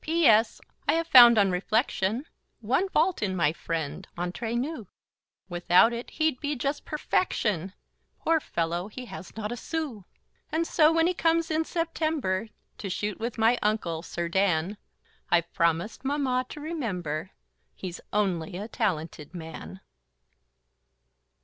P.S. I have found, on reflection, One fault in my friend, entre nous; Without it, he'd just be perfection; Poor fellow, he has not a sou! And so, when he comes in September To shoot with my uncle, Sir Dan, I've promised mamma to remember He's only a talented man!